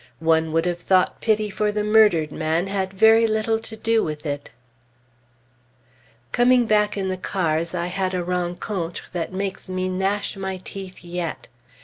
One would have thought pity for the murdered man had very little to do with it. Coming back in the cars, I had a rencontre that makes me gnash my teeth yet.